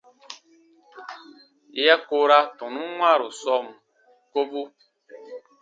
Yè ya koora tɔnun wãaru sɔɔn kobun.